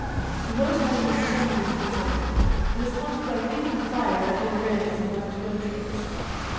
The moat had an uncanniness of its own; it was haunted by leaping fires that overran it and left no trace.